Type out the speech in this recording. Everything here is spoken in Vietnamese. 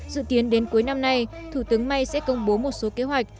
dự kiến đến cuối năm nay thủ tướng may sẽ công bố một số kế hoạch